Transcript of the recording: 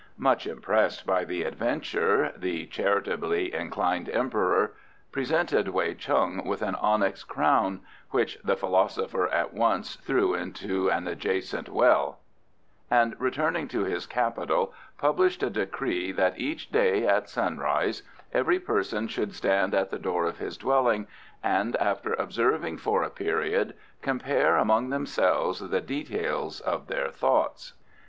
Much impressed by the adventure the charitably inclined emperor presented Wei Chung with an onyx crown (which the philosopher at once threw into an adjacent well), and returning to his capital published a decree that each day at sunrise every person should stand at the door of his dwelling, and after observing for a period, compare among themselves the details of their thoughts.